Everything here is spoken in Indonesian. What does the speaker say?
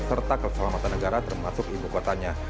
serta keselamatan negara termasuk ibu kotanya